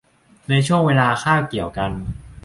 ในช่วงเวลาคาบเกี่ยวกัน